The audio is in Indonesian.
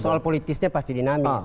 soal politisnya pasti dinamis